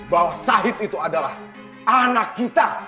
bahwa sahid itu adalah anak kita